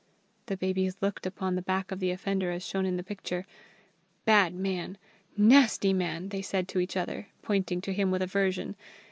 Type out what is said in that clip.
The babies looked upon the back of the offender as shown in the picture. "Bad man! Nasty man!" they said to each other, pointing to him with aversion.